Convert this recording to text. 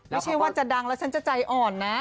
ไม่ใช่ว่าจะดังแล้วฉันจะใจอ่อนนะ